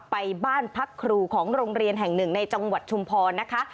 ไปบ้านพักครูของโรงเรียนแห่งหนึ่งในจังหวัดชุมพรนะคะ